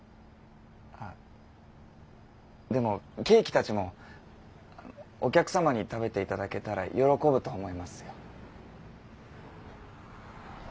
あっでもケーキたちもお客様に食べて頂けたら喜ぶと思いますよ。